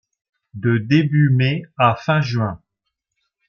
De début mai à fin juin.